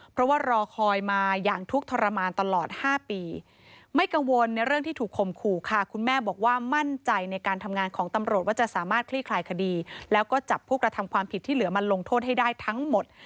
เพราะว่ารอคอยมาอย่างทุกข์ทรมานตลอด๕ปีไม่กังวลในเรื่องที่ถูกคมขู่ค่ะคุณแม่บอกว่ามั่นใจในการทำงานของตำรวจว่าจะสามารถคลี่คลายคดีแล้วก็จับผู้กระทำความผิดที่เหลือมาลงโทษให้ได้ทั้งหมด